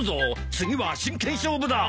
次は真剣勝負だ！